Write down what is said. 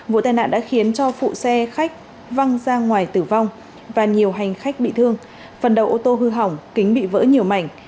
vụ tai nạn đã khiến cho phụ xe khách văng ra ngoài tử vong và nhiều hành khách bị thương phần đầu ô tô hư hỏng kính bị vỡ nhiều mảnh